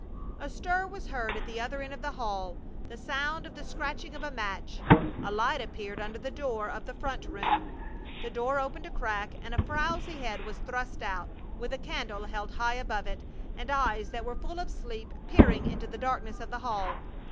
A stir was heard at the other end of the hall, the sound of the scratching of a match. A light appeared under the door of the front room, the door opened a crack, and a frowsy head was thrust out, with a candle held high above it, and eyes that were full of sleep peering into the darkness of the hall.